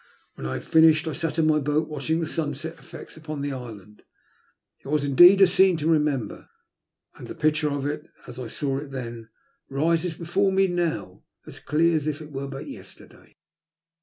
When I had finished, I sat in my boat watching the sunset effects upon the island. It was indeed a scene to remember, and the picture of it, as I saw it then, rises before me now as clearly as if it were but yesterday.